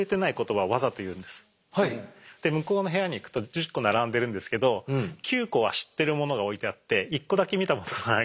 で向こうの部屋に行くと１０個並んでるんですけど９個は知ってる物が置いてあって１個だけ見たことがない物があると。